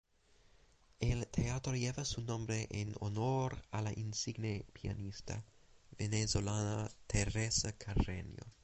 El teatro lleva su nombre en honor a la insigne pianista venezolana Teresa Carreño.